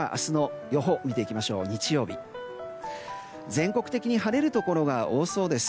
全国的に晴れるところが多そうです。